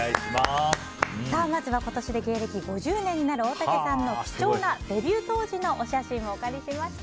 まずは、今年で芸歴５０年になる大竹さんの貴重なデビュー当時のお写真をお借りしました。